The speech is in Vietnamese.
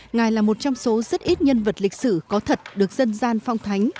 ngài là một trong số rất ít nhân vật lịch sử có thật được dân gian phong thánh